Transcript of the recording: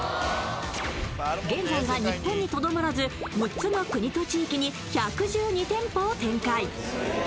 現在は日本にとどまらず６つの国と地域に１１２店舗を展開。